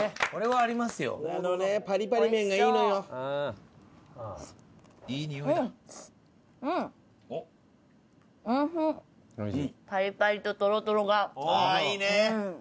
ああいいね！